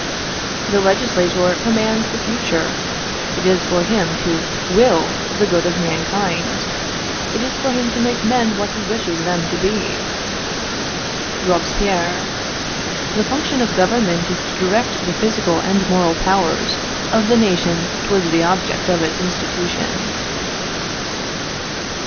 "The legislator commands the future. It is for him to will for the good of mankind. It is for him to make men what he wishes them to be." Robespierre. "The function of Government is to direct the physical and moral powers of the nation towards the object of its institution."